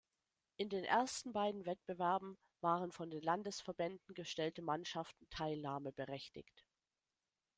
In den ersten beiden Wettbewerben waren von den Landesverbänden gestellte Mannschaften teilnahmeberechtigt.